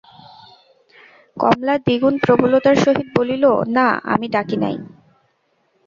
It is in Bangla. কমলা দ্বিগুণ প্রবলতার সহিত বলিল, না, আমি ডাকি নাই।